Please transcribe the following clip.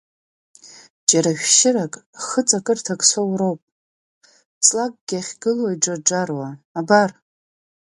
Џьара шәшьырак, хыҵакырҭак соуроуп, ҵлакгьы ахьгылоу иџарџаруа, абар.